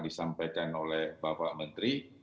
disampaikan oleh bapak menteri